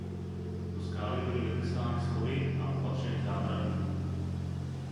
Do skály byly vytesány schody a opatřeny zábradlím.